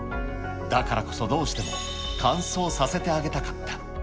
だからこそ、どうしても完走させてあげたかった。